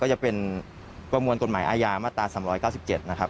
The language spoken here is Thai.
จะเป็นประมวลกฎหมายอาญามาตรา๓๙๗นะครับ